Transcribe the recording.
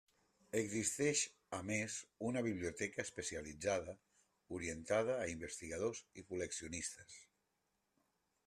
Existeix a més una biblioteca especialitzada orientada a investigadors i col·leccionistes.